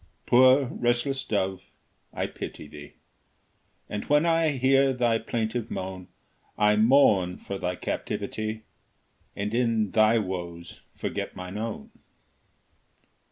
Poor restless dove, I pity thee; And when I hear thy plaintive moan, I mourn for thy captivity, And in thy woes forget mine own.